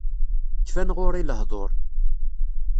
Kfan ɣur-i lehdur.